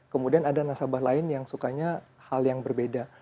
kemudian ada nasabah lain yang sukanya hal yang berbeda